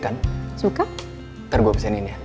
ntar gue pesenin ya